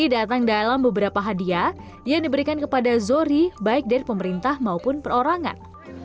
pemuda asal nusa tenggara barat ini juga memiliki beberapa hadiah yang diberikan kepada zohri baik dari pemerintah maupun perorangan